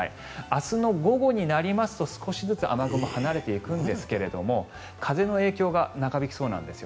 明日の午後になりますと少しずつ雨雲は離れていくんですが風の影響が長引きそうなんです。